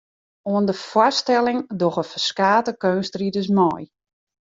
Oan de foarstelling dogge ferskate keunstriders mei.